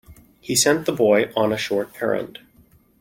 He sent the boy on a short errand.